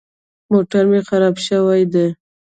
موټر مې خراب شوی دی.